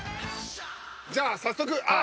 じゃあ早速あっ！